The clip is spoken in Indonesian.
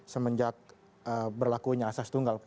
semenjak berlakunya asas tunggal